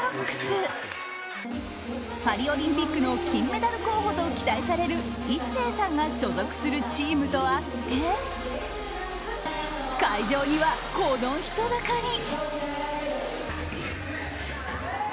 パリオリンピックの金メダル候補と期待されるＩＳＳＥＩさんが所属するチームとあって会場には、この人だかり。